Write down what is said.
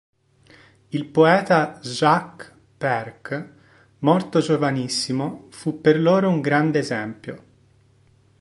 Il poeta Jacques Perk, morto giovanissimo, fu per loro un grande esempio.